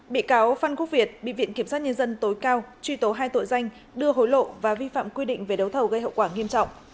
bị cáo phan quốc việt bị viện kiểm sát nhân dân tối cao truy tố hai tội danh đưa hối lộ và vi phạm quy định về đấu thầu gây hậu quả nghiêm trọng